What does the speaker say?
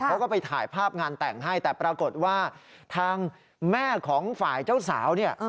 เขาก็ไปถ่ายภาพงานแต่งให้แต่ปรากฏว่าทางแม่ของฝ่ายเจ้าสาวเนี่ย